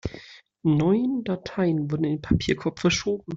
Neun Dateien wurden in den Papierkorb verschoben.